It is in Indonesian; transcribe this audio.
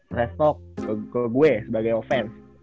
trash talk ke gue sebagai offense